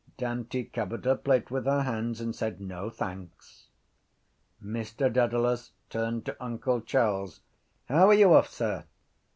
Dante covered her plate with her hands and said: —No, thanks. Mr Dedalus turned to uncle Charles. —How are you off, sir?